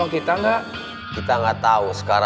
gak ada yang kabur